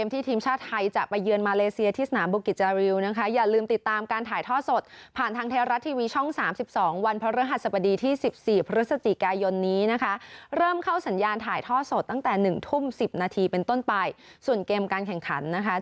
ตอน๑ทุ่ม๔๕นาทีค่ะ